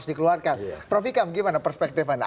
dikeluarkan prof ikam gimana perspektif anda